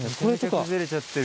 崩れちゃってる。